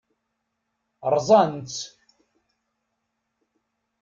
Rẓan-tt.